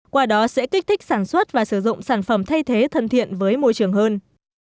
qua đó sẽ kích thích sản xuất và sử dụng sản phẩm thay thế thân thiện với môi trường hơn